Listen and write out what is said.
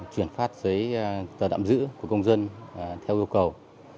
chuyển phát giấy tờ đạm giữ của công dân theo yêu cầu